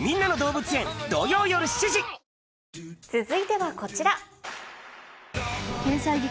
続いてはこちら。